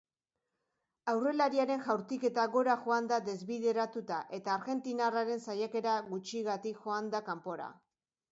Aurrelariaren jaurtiketa gora joan da desbideratuta eta argentinarraren saiakera gutxigatik joan da kanpora.